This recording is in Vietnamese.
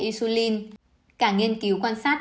insulin cả nghiên cứu quan sát